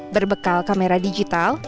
berbekal kamera digital